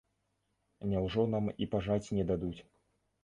Няўжо нам і пажаць не дадуць?